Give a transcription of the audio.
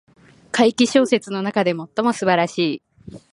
怪奇小説の中で最も素晴らしい